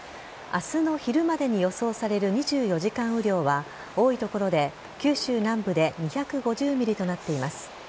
明日の昼までに予想される２４時間雨量は多い所で九州南部で２５０ｍｍとなっています。